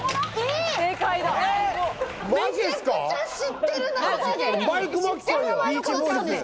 めちゃくちゃ知ってる名前。